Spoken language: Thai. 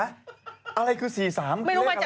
อะไรคือ๔๓คือเลขอะไรหรือไม่รู้มาจากไหนค่ะคุณปุ๊บ